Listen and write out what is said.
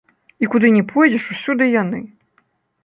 І куды ні пойдзеш, усюды яны.